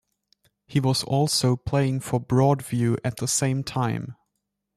He was also playing for Broadview at the same time.